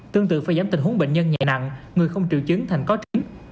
tương tự phải giảm tình huống bệnh nhân nhẹ nặng người không triệu chứng thành có trứng